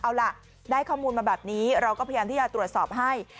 เอาล่ะได้ข้อมูลมาแบบนี้เราก็พยายามที่จะตรวจสอบให้